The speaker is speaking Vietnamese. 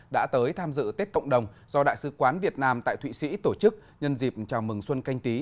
đã tới tham dự tết cộng đồng do đại sứ quán việt nam tại thụy sĩ tổ chức nhân dịp chào mừng xuân canh tí